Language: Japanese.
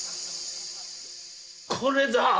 これだ！